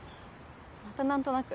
また何となく？